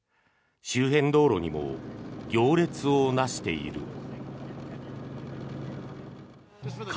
周辺道路にも行列をなしている。